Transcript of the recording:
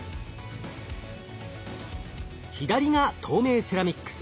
左が透明セラミックス。